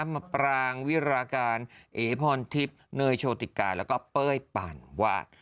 มาปรางวิราการเอพรทิพย์เนยโชติกาแล้วก็เป้ยปานวาด